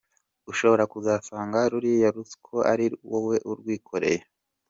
Ushobora kuzasanga ruriya ruswo ari wowe urwikoreye.